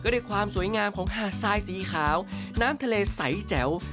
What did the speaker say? รู้ก่อนร้อนหนาว